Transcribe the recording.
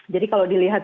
jadi kalau dilihat